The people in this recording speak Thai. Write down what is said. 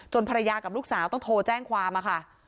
ภรรยากับลูกสาวต้องโทรแจ้งความค่ะ